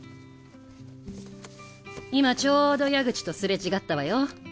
今ちょうど矢口とすれ違ったわよ。